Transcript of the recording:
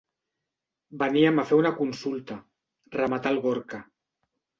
Veníem a fer una consulta —rematà el Gorka.